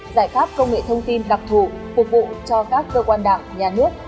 giải pháp công nghệ thông tin đặc thù phục vụ cho các cơ quan đảng nhà nước